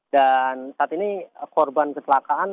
saat ini korban kecelakaan